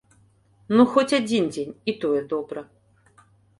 Ну, хоць адзін дзень, і тое добра.